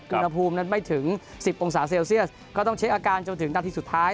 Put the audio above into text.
อุณหภูมินั้นไม่ถึง๑๐องศาเซลเซียสก็ต้องเช็คอาการจนถึงนาทีสุดท้าย